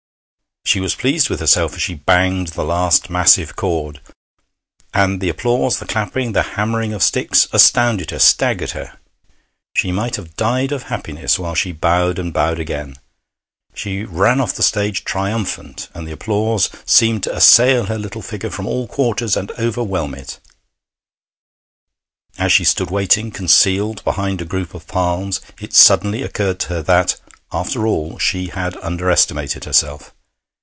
She was pleased with herself as she banged the last massive chord. And the applause, the clapping, the hammering of sticks, astounded her, staggered her. She might have died of happiness while she bowed and bowed again. She ran off the stage triumphant, and the applause seemed to assail her little figure from all quarters and overwhelm it. As she stood waiting, concealed behind a group of palms, it suddenly occurred to her that, after all, she had underestimated herself.